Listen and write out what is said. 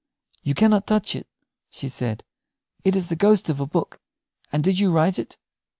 "You cannot touch it," she said. "It is the ghost of a book. And did you write it?"